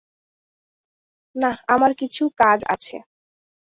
নাহ, আমার কিছু কাজ আছে।